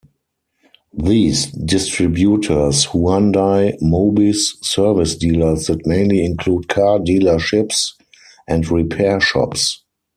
These distributors Hyundai Mobis service dealers that mainly include car dealerships and repair shops.